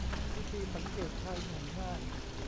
วิธีสังเกตชายหนุ่มง่าย